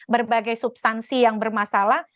berbagai substansi yang bermasalah